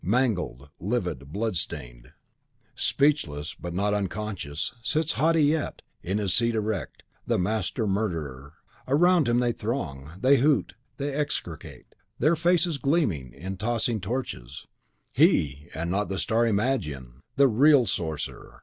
Mangled, livid, blood stained, speechless but not unconscious, sits haughty yet, in his seat erect, the Master Murderer! Around him they throng; they hoot, they execrate, their faces gleaming in the tossing torches! HE, and not the starry Magian, the REAL Sorcerer!